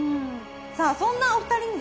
さあそんなお二人にですね